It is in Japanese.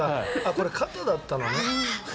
これ、肩だったのね。